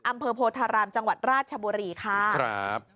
อำเภอโพธารามจังหวัดราชบุรีค่ะครับ